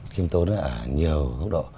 khiêm tốn ở nhiều góc độ